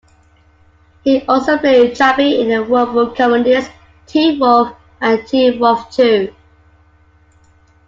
He also played Chubby in the werewolf comedies "Teen Wolf" and "Teen Wolf Too".